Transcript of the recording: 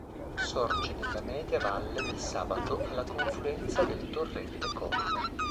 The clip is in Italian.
Sorge nella media valle del Sabato alla confluenza del torrente "Corvo".